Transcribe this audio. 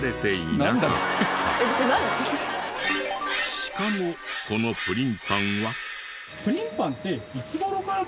しかもこのプリンパンは。